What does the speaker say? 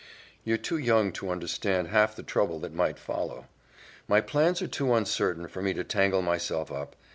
"You're too young to understand half the trouble that might follow. My plans are too uncertain for me to tangle myself up.